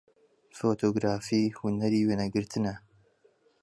فۆتۆگرافی هونەری وێنەگرتنە